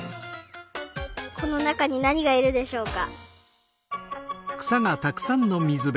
このなかになにがいるでしょうか？